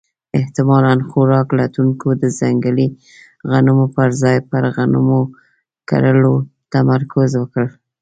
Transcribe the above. احتمالاً خوراک لټونکو د ځنګلي غنمو پر ځای پر غنمو کرلو تمرکز وکړ.